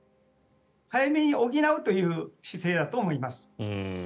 早めに補うという姿勢だと思います。